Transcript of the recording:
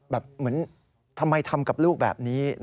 แบบเหมือนทำไมทำกับลูกแบบนี้